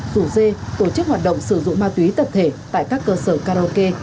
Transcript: rủ dê tổ chức hoạt động sử dụng ma túy tập thể tại các cơ sở karaoke